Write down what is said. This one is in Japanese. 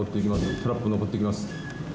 タラップを上っていきます。